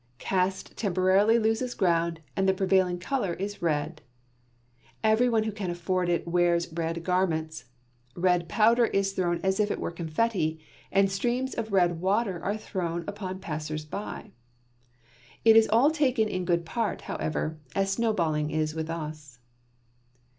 Caste temporarily loses ground and the prevailing colour is red. Every one who can afford it wears red garments, red powder is thrown as if it were confetti, and streams of red water are thrown upon the passers by. It is all taken in good part, however, as snowballing is with us.